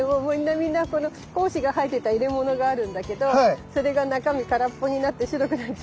みんな胞子が入ってた入れ物があるんだけどそれが中身空っぽになって白くなっちゃった。